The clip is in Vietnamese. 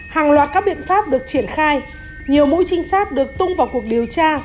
hàng loạt các biện pháp được triển khai nhiều mũi trinh sát được tung vào cuộc điều tra